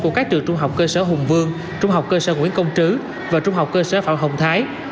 của các trường trung học cơ sở hùng vương trung học cơ sở nguyễn công trứ và trung học cơ sở phạm hồng thái